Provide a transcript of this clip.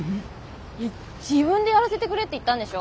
いや自分でやらせてくれって言ったんでしょ？